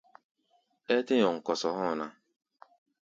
Ɛ́ɛ́ tɛ́ nyɔŋ kɔsɔ hɔ̧́ɔ̧ ná.